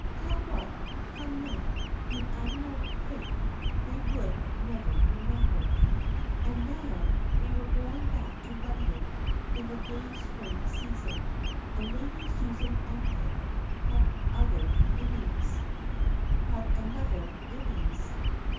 Come what, come might, in unknown Fate, they would never remember. And now they were going back to London in the gay spring season, and Lady Susan Amphlett had another innings.